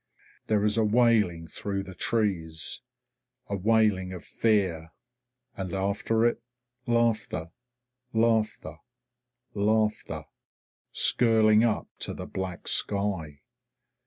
There is a wailing through the trees, a wailing of fear, and after it laughter laughter laughter, skirling up to the black sky.